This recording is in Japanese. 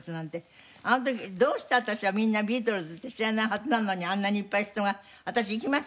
あの時どうして私はみんなビートルズって知らないはずなのにあんなにいっぱい人が私行きましたけど。